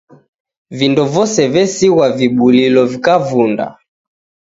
Vindo vose vesighwa vibulilo vikavunda.